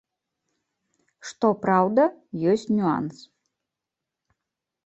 Што праўда, ёсць нюанс.